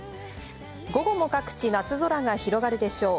午後も各地夏空が広がるでしょう。